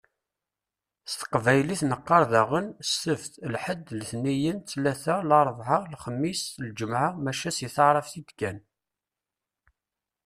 S teqbaylit neqqaṛ daɣen: Sebt, lḥed, letniyen, ttlata, larbɛa, lexmis, lǧemɛa. Maca si taɛrabt i d-kkan.